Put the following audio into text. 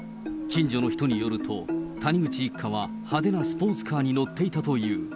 近所の人によると、谷口一家は派手なスポーツカーに乗っていたという。